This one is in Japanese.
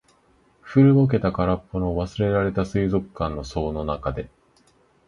古ぼけた、空っぽの、忘れられた水族館の槽の中で。